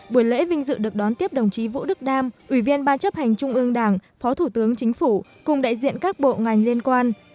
buổi lễ vinh dự được đón tiếp đồng chí vũ đức đam ủy viên ban chấp hành trung ương đảng phó thủ tướng chính phủ cùng đại diện các bộ ngành liên quan